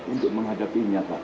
untuk menghadapinya pak